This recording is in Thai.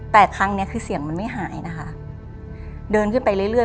แต่ครั้งเนี้ยคือเสียงมันไม่หายนะคะเดินขึ้นไปเรื่อย